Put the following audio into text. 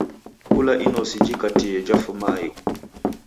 Kula inosi jikatie, jafuma aighu.